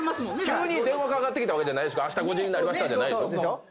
急に電話かかってきたわけじゃ５時になりましたじゃないでしょ。